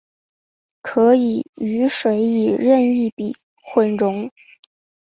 可以与水以任意比混溶。